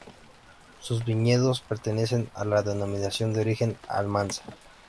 Sus viñedos pertenecen a la Denominación de Origen Almansa.